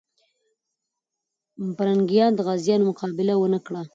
پرنګیان د غازيانو مقابله ونه کړه.